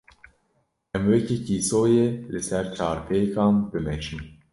Em weke kîsoyê li ser çarpêkan, bimeşin.